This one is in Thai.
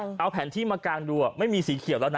เอาแผนที่มากางดูไม่มีสีเขียวแล้วนะ